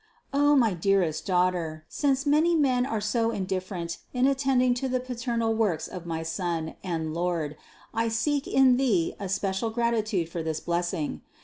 656. O my dearest daughter, since many men are so indifferent in attending to the paternal works of my Son and Lord, I seek in thee a special gratitude for this bless ing.